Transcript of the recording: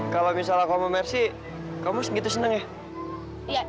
kalau misalnya aku sama mercy kamu segitu seneng ya